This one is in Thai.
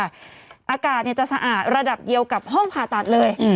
อากาศจะสะอาดระดับเดียวกับห้องผ่าตัดเลย